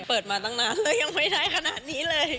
เปิดมาตั้งนานแล้วยังไม่ได้ขนาดนี้เลย